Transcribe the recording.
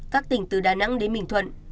các tỉnh từ đà nẵng đến bình thuận